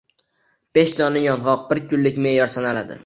Besh dona yong‘oq – bir kunlik me’yor sanaladi.